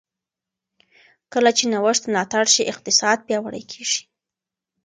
کله چې نوښت ملاتړ شي، اقتصاد پیاوړی کېږي.